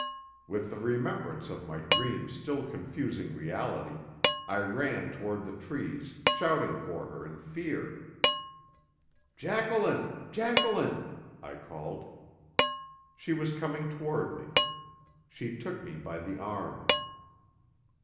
With the remembrance of my dream still confusing reality, I ran toward the trees, shouting for her in fear. "Jacqueline! Jacqueline!" I called. She was coming toward me. She took me by the arm.